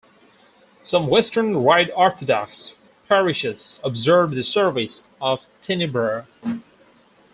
Some Western Rite Orthodox parishes observe the service of Tenebrae.